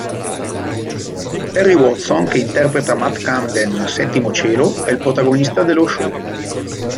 Barry Watson, che interpreta Matt Camden in "Settimo cielo" è il protagonista dello show.